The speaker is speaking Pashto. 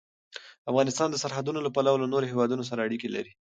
افغانستان د سرحدونه له پلوه له نورو هېوادونو سره اړیکې لري.